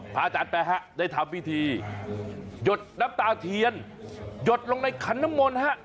อาจารย์แป๊ฮะได้ทำพิธีหยดน้ำตาเทียนหยดลงในขันน้ำมนต์ฮะ